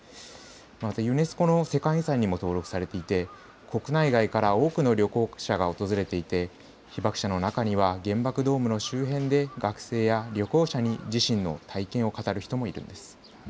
またユネスコの世界遺産にも登録されていて国内外から多くの旅行者が訪れていて被爆者の中には原爆ドームの周辺で学生や旅行者に自身の体験を語る人もいるんです。